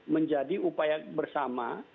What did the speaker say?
menjadi upaya bersama